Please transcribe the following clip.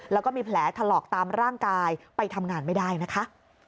แล้วก็มีแผลถลอกตามร่างกายไปทำงานไม่ได้นะคะ